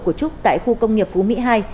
của trúc tại khu công nghiệp phú mỹ hai